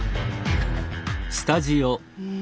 うん。